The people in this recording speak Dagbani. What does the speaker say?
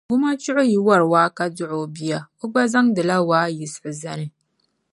Gumachuɣu yi wari waa ka dɔɣi o bia, o gba zaŋdila waa yiɣisi zani.